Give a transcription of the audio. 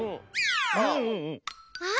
あっ。